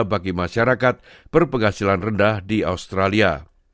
bagi masyarakat berpenghasilan rendah di australia